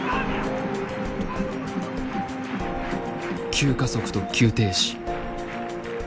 急加速と急停止。